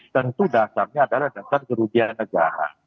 tentu dasarnya adalah dasar kerugian negara